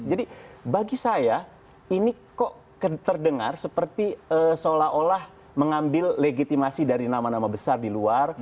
jadi bagi saya ini kok terdengar seperti seolah olah mengambil legitimasi dari nama nama besar di luar